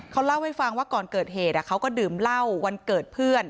เขาเล่าให้ฟังว่าก่อนเกิดเหตุเขาก็ดื่มเหล้าวันเกิดเพื่อน